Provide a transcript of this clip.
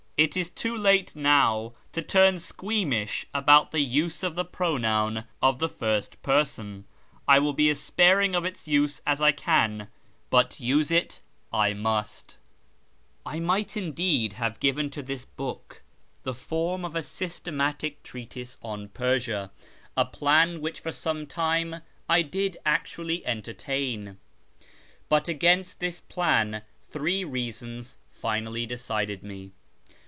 It is too late now to turn squeamish about the use of the pronoun of the first person. I will be as sparing of its use as I can, but use it I must. •/ YEAR AMONGST THE PERSIANS \ ini;^'lit, iiuleiHl, have given to this book the form of a systematic treatise on Persia, a phan which for some time I did actually entertain ; but against this plan three reasons finally decided me.